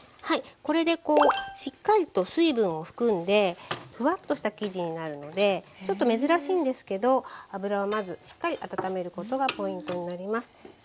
これでしっかりと水分を含んでフワッとした生地になるのでちょっと珍しいんですけど油をまずしっかり温めることがポイントになります。